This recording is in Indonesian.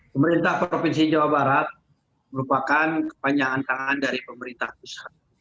pemerintah provinsi jawa barat merupakan kepanjangan tangan dari pemerintah pusat